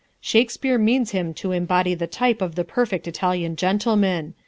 Shakespeare means him to embody the type of the perfect Italian gentleman.